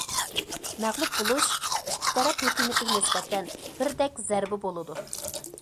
مەغلۇپ بولۇش ئىككى تەرەپ ھۆكۈمىتىگە نىسبەتەن بىردەك زەربە بولىدۇ.